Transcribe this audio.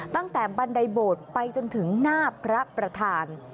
ตั้งแต่บันไดโบสถ์ไปจนถึงหน้าพระประธาน